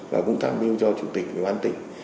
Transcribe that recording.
và cũng tham mưu cho chủ tịch và công an tỉnh